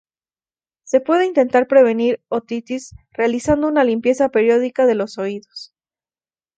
Se puede intentar prevenir otitis realizando una limpieza periódica de los oídos.